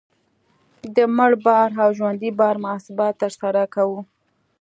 د مړ بار او ژوندي بار محاسبه ترسره کوو